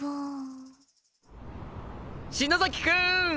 篠崎くん！